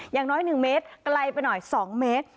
อย่างน้อย๑เมตรไกลไปหน่อย๒เมตร